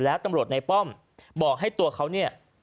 แล้วตำรวจในป้อมบอกให้ตัวเขาเนี่ย